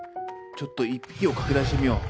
ちょっと１匹を拡大してみよう。